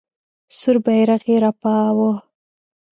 سور بیرغ یې رپاوه.